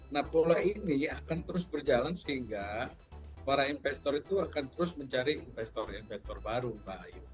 nah pola ini akan terus berjalan sehingga para investor itu akan terus mencari investor investor baru mbak